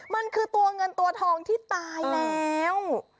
มันคือตัวเงินตัวทองที่ตายแล้ว